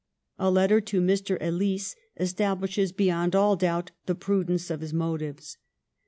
A letter to Mr. Ellice establishes beyond all doubt the prudence of his motives.